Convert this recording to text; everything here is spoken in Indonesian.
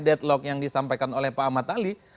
deadlock yang disampaikan oleh pak ahmad ali